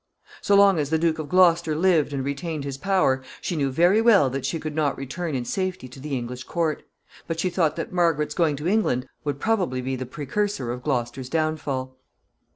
So long as the Duke of Gloucester lived and retained his power, she knew very well that she could not return in safety to the English court; but she thought that Margaret's going to England would probably be the precursor of Gloucester's downfall.